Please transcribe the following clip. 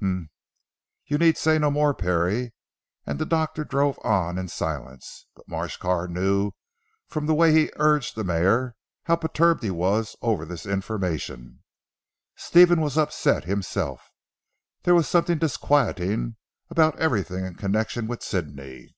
"Humph! You need say no more Parry," and the doctor drove on in silence. But Marsh Carr knew from the way he urged the mare, how perturbed he was over this information. Stephen was upset himself. There was something disquieting about everything in connection with Sidney.